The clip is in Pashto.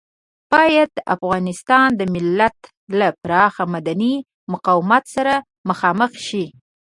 بايد د افغانستان د ملت له پراخ مدني مقاومت سره مخامخ شي.